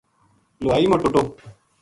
لُہائی ما ٹُٹو